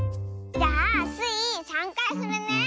じゃあスイ３かいふるね。